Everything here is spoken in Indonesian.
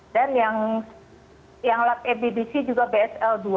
dan yang lab ebdc juga bsl dua